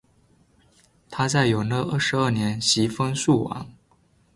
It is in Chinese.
他在永乐二十二年袭封肃王。